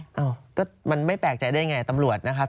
เอ้าก็มันไม่แปลกใจได้ไงตำรวจนะครับ